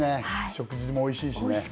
食事もおいしいしね。